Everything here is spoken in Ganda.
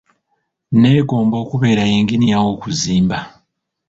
Neegomba okubeera yinginiya w'okuzimba.